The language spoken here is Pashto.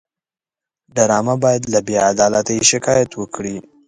ډرامه باید له بېعدالتۍ شکایت وکړي